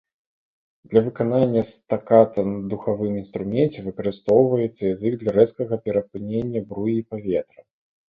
Для выканання стаката на духавым інструменце выкарыстоўваецца язык для рэзкага перапынення бруі паветра.